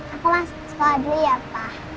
aku lah sekolah dulu ya pak